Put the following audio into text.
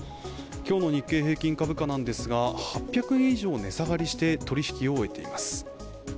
今日の日経平均株価なんですが８００円以上値下がりして取引を終えています。